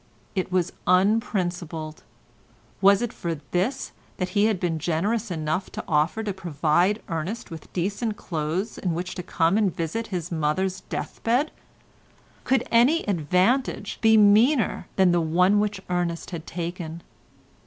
It was unprincipled. Was it for this that he had been generous enough to offer to provide Ernest with decent clothes in which to come and visit his mother's death bed? Could any advantage be meaner than the one which Ernest had taken?